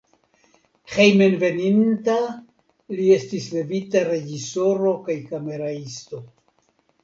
Hejmenveninta li estis levita reĝisoro kaj kameraisto.